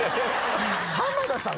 浜田さん